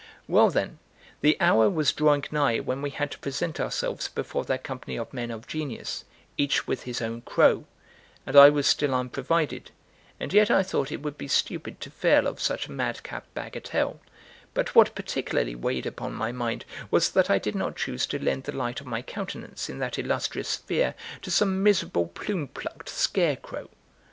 Well, then, the hour was drawing nigh when we had to present ourselves before that company of men of genius, each with his own crow; and I was still unprovided; and yet I thought it would be stupid to fail of such a madcap bagatelle; but what particularly weighed upon my mind was that I did not choose to lend the light of my countenance in that illustrious sphere to some miserable plume plucked scarecrow.